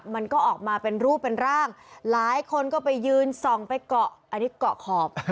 มันก็ออกมาเป็นรูปเป็นร่างหลายคนก็ไปยืนส่องไปเกาะอันนี้เกาะขอบ